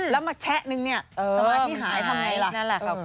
แล้วมาแชะนึงเนี่ยสมาธิหายทำไงล่ะ